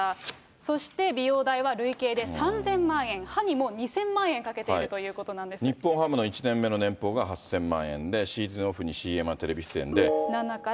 そして、美容代は累計で３０００万円、歯にも２０００万円かけて日本ハムの１年目の年俸が８０００万円で、シーズンオフにＣＭやテレビ出演で。